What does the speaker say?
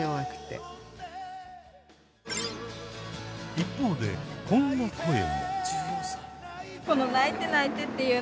一方でこんな声も。